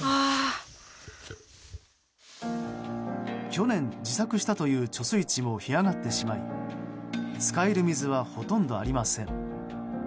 去年、自作したという貯水池も干上がってしまい使える水はほとんどありません。